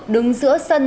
đứng giữa sân